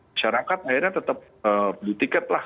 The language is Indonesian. masyarakat akhirnya tetap beli tiket lah